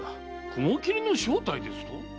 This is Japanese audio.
雲切の正体ですと？